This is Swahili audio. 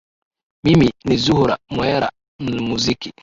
mimi ni zuhra mwera muziki